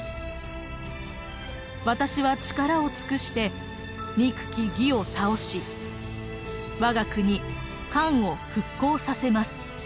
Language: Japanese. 私は力を尽くして憎き魏を倒し我が国漢を復興させます。